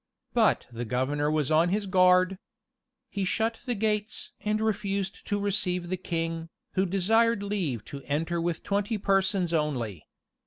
But the governor was on his guard. He shut the gates, and refused to receive the king, who desired leave to enter with twenty persons only.